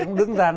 cũng đứng ra